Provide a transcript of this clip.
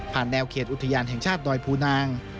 แนวเขตอุทยานแห่งชาติดอยภูนาง